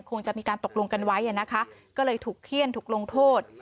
คงจะมีการตกลงกันไว้นะคะก็เลยถูกเขี้ยนถูกลงโทษ